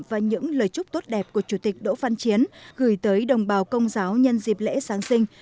và những lời chúc tốt đẹp của chủ tịch đỗ văn chiến gửi tới đồng bào công giáo nhân dịp lễ giáng sinh